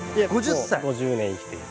もう５０年生きている。